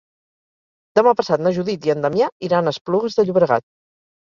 Demà passat na Judit i en Damià iran a Esplugues de Llobregat.